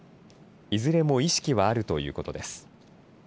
いずれも意識はあるということです。